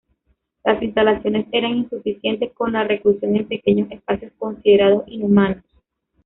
Las instalaciones eran insuficientes, con la reclusión en pequeños espacios considerados inhumanos.